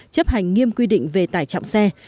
chấp hành nghiêm quy định về tải trọng xe